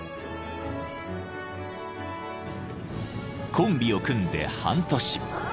［コンビを組んで半年］